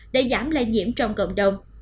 để giảm lại nhiễm trong cộng đồng